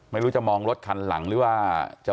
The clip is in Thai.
ไม่รู้จะมองรถคันหลังหรือว่า